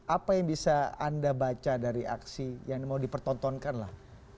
apa yang bisa anda baca dari aksi yang mau dipertontonkan lah